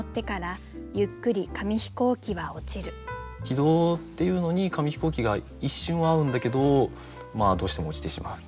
軌道っていうのに紙飛行機が一瞬合うんだけどどうしても墜ちてしまう。